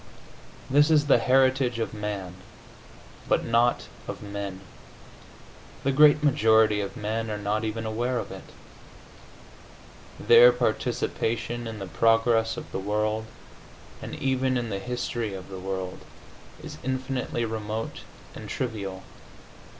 This is the heritage of man, but not of men. The great majority of men are not even aware of it. Their participation in the progress of the world, and even in the history of the world, is infinitely remote and trivial.